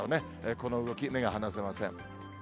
この動き、目が離せません。